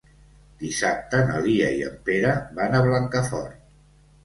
Dissabte na Lia i en Pere van a Blancafort.